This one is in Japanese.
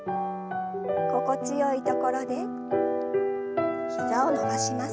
心地よいところで膝を伸ばします。